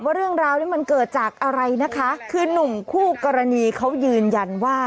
เรื่องราวนี้มันเกิดจากอะไรนะคะคือนุ่มคู่กรณีเขายืนยันว่า